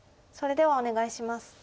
それではお願いします。